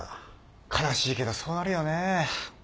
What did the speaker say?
悲しいけどそうなるよねぇ。